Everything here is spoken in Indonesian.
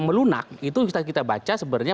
melunak itu bisa kita baca sebenarnya